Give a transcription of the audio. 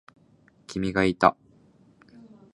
君がいた。